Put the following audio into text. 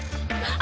あ。